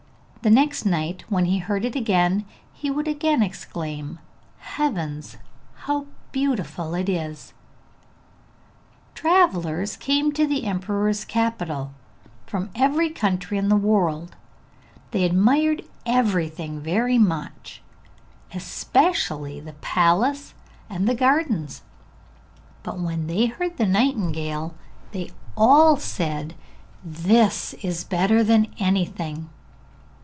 The next night when he heard it again he would again exclaim, 'Heavens, how beautiful it is!' Travellers came to the emperor's capital, from every country in the world; they admired everything very much, especially the palace and the gardens, but when they heard the nightingale they all said, 'This is better than anything!'